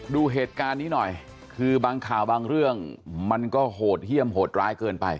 ดูเหตุการณ์นี้หน่อยคือบางข่าวบางเรื่องมันก็โหดเยี่ยมโหดร้ายเกินไป